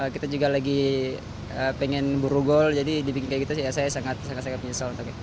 kita juga lagi pengen buru gol jadi dibikin kayak gitu sih saya sangat sangat menyesal